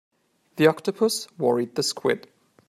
The octopus worried the squid.